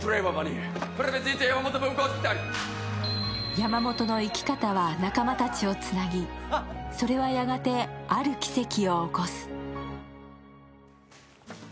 山本の生き方は、仲間たちをつなぎそれはやがてある奇跡を起こす。